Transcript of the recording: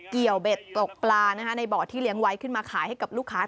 เบ็ดตกปลาในบ่อที่เลี้ยงไว้ขึ้นมาขายให้กับลูกค้า